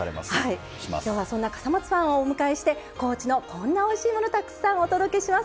今日はそんな笠松さんをお迎えして高知のこんなおいしいものをたくさんお届けします。